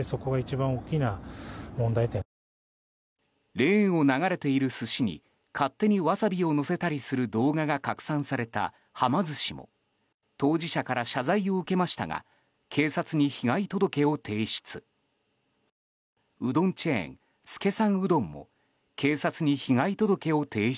レーンを流れている寿司に勝手にワサビをのせたりする動画が拡散された、はま寿司も当事者から謝罪を受けましたが警察に被害届を提出。